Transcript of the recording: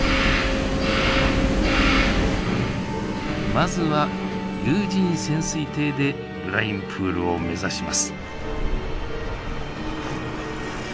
まずは有人潜水艇でブラインプールを目指します。